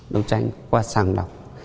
đấu tranh qua sàng lọc